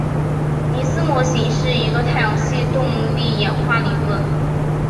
尼斯模型是一个太阳系动力演化理论。